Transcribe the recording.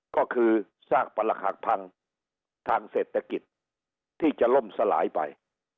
ก็คือซากประหลักหักพังทางเศรษฐกิจที่จะล่มสลายไป